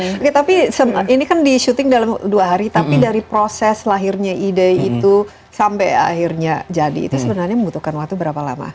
tapi ini kan disyuting dalam dua hari tapi dari proses lahirnya ide itu sampai akhirnya jadi itu sebenarnya membutuhkan waktu berapa lama